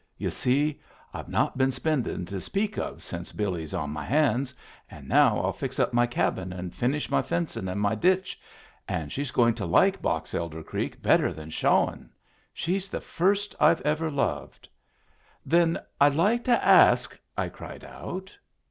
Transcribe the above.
Yu' see, I've not been spending to speak of since Billy's on my hands, and now I'll fix up my cabin and finish my fencing and my ditch and she's going to like Box Elder Creek better than Shawhan. She's the first I've ever loved." "Then I'd like to ask " I cried out.